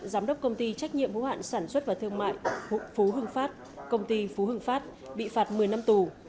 giám đốc công ty trách nhiệm hữu hạn sản xuất và thương mại phú hưng phát công ty phú hưng phát bị phạt một mươi năm tù